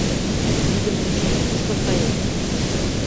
— Йӱдым ончен, кушко кает?